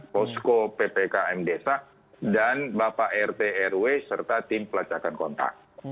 posko ppkm desa dan bapak rt rw serta tim pelacakan kontak